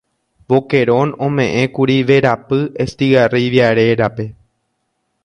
Boquerón omeʼẽkuri verapy Estigarribia rérape.